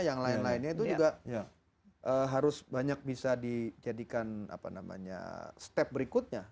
yang lain lainnya itu juga harus banyak bisa dijadikan step berikutnya